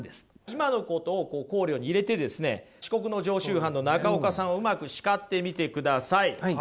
今のことを考慮に入れてですね遅刻の常習犯の中岡さんをうまく叱ってみてください。